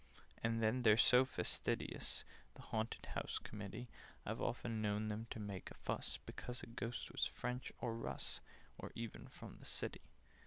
"And then they're so fastidious, The Haunted House Committee: I've often known them make a fuss Because a Ghost was French, or Russ, Or even from the City!